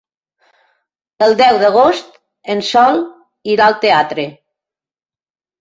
El deu d'agost en Sol irà al teatre.